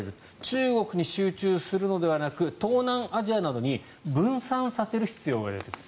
中国に集中するのではなく東南アジアなどに分散させる必要が出てくる。